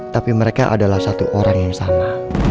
tapi mereka adalah satu orang yang sama